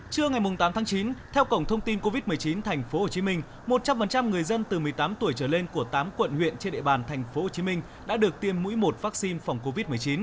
trưa ngày tám tháng chín theo cổng thông tin covid một mươi chín thành phố hồ chí minh một trăm linh người dân từ một mươi tám tuổi trở lên của tám quận huyện trên địa bàn thành phố hồ chí minh đã được tiêm mũi một vaccine phòng covid một mươi chín